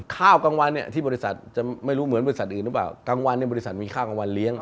กลางวันเนี่ยที่บริษัทจะไม่รู้เหมือนบริษัทอื่นหรือเปล่ากลางวันเนี่ยบริษัทมีข้าวกลางวันเลี้ยง